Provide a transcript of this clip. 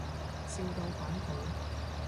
笑到反肚